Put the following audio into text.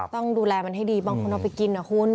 ต้องดูแลมันให้ดีบางคนเอาไปกินนะคุณ